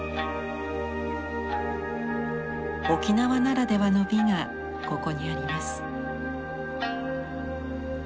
沖縄ならではの美がここにあります。